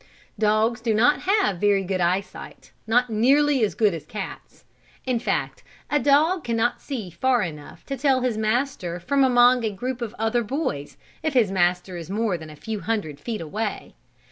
Dogs do not have very good eyesight not nearly as good as cats. In fact a dog can not see far enough to tell his master from among a group of other boys, if his master is more than a few hundred feet away.